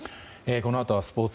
このあとはスポーツ。